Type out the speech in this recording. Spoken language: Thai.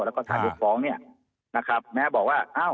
แล้วก็ถามให้ฟ้องเนี่ยนะครับแม้บอกว่าเอ้า